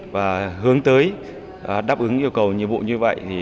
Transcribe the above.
và hướng tới đáp ứng yêu cầu nhiệm vụ như vậy